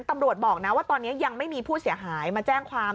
ตำรวจบอกนะว่าตอนนี้ยังไม่มีผู้เสียหายมาแจ้งความ